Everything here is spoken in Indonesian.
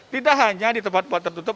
tidak hanya di tempat tempat tertutup